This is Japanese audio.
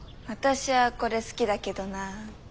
私はこれ好きだけどなあ。